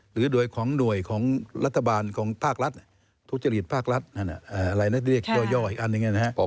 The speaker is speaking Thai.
หรือโดยของหน่วยของรัฐบาลของภาครัฐทุจริตภาครัฐเรียกย่ออีกอันหนึ่งนะครับ